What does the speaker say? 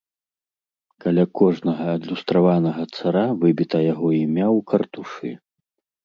Каля кожнага адлюстраванага цара выбіта яго імя ў картушы.